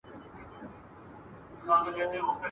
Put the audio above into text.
د جګړې ډګر د توپو او ټکانو له ږغو ډک وو.